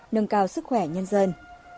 nâng cao sức khỏe nhân dân